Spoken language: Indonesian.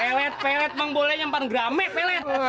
pelet pelet emang boleh nyempar grame pelet